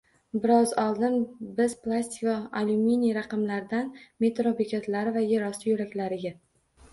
Biroz oldin biz plastik va alyuminiy ramkalardan metro bekatlari va er osti yo'laklariga